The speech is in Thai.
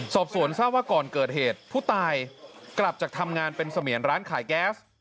สอบสวนทราบว่าก่อนเกิดเหตุผู้ตายกลับจากทำงานเป็นเสมียนร้านขายแก๊ส